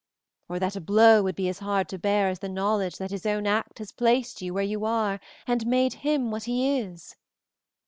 Or that a blow would be as hard to bear as the knowledge that his own act has placed you where you are and made him what he is?